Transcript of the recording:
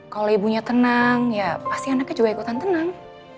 kalau ibunya tenang ya pasti anaknya juga ikutan tenang